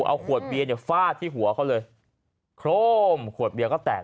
เอาขวดเบียนฟาดที่หัวเขาเลยโคร่มขวดเบียนก็แตก